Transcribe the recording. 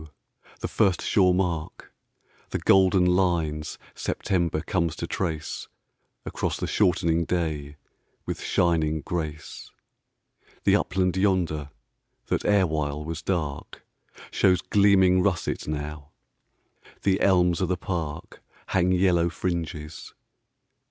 the first sure mark, The golden lines September comes to traceAcross the shortening day with shining grace—The upland yonder that erewhile was darkShows gleaming russet now. The elms o' the parkHang yellow fringes.